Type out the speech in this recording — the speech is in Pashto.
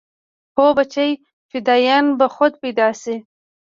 هو بچى فدايان به خود پيدا شي.